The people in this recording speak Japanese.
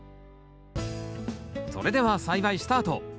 それでは栽培スタート。